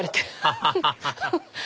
ハハハハ！